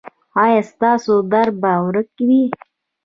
ایا ستاسو درد به ورک وي؟